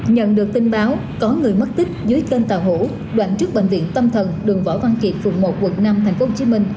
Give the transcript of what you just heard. nhận được tin báo có người mất tích dưới kênh tàu hủ đoạn trước bệnh viện tâm thần đường võ văn kiệt phường một quận năm tp hcm